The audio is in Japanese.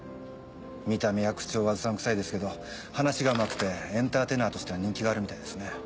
見た目や口調はうさんくさいですけど話がうまくてエンターテイナーとしては人気があるみたいですね。